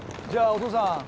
じゃあねお父さん。